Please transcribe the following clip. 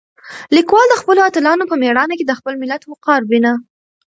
لیکوال د خپلو اتلانو په مېړانه کې د خپل ملت وقار وینه.